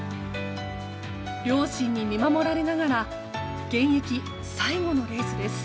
両親に見守られながら現役最後のレースです。